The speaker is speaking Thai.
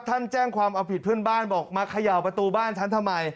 แจ้งความเอาผิดเพื่อนบ้านบอกมาเขย่าประตูบ้านฉันทำไม